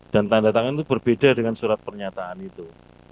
dan tanda tangan itu berbeda dengan surat pernyataan itu